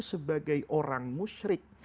sebagai orang musyrik